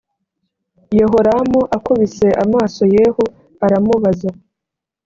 yehoramu akubise amaso yehu aramubaza